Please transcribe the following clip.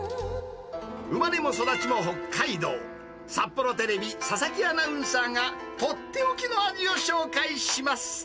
生まれも育ちも北海道、札幌テレビ、佐々木アナウンサーが取って置きの味を紹介します。